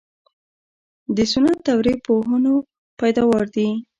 د سنت دورې پوهنو پیداوار دي.